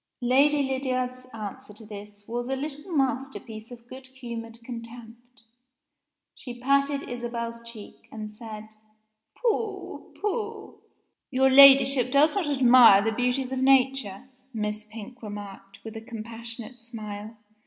Lady Lydiard's answer to this was a little masterpiece of good humored contempt. She patted Isabel's cheek, and said, "Pooh! Pooh!" "Your Ladyship does not admire the beauties of Nature," Miss Pink remarked, with a compassionate smile.